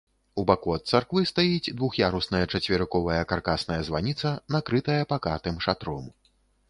У баку ад царквы стаіць двух'ярусная чацверыковая каркасная званіца, накрытая пакатым шатром.